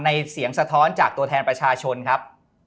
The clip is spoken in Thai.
เสียงสะท้อนจากตัวแทนประชาชนครับ